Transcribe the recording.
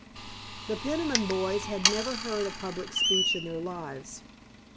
The Peniman boys had never heard a public speech in their lives.